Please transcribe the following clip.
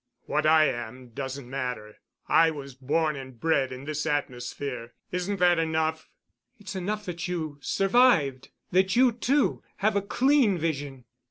"What I am doesn't matter. I was born and bred in this atmosphere. Isn't that enough?" "It's enough that you survived—that you, too, have a clean vision."